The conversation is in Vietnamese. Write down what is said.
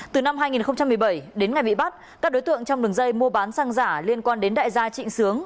từ năm hai nghìn một mươi bảy đến ngày bị bắt các đối tượng trong đường dây mua bán xăng giả liên quan đến đại gia trịnh sướng